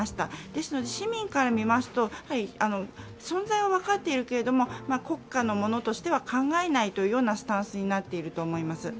ですので市民から見ますと、存在は分かっていますけれども国家のものとしては考えないというようなスタンスになっていると思います。